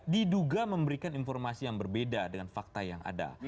diduga memberikan informasi yang berbeda dengan fakta yang ada